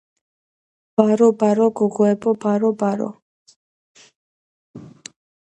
ბარო ბარო გოგოებო ბარო ბარო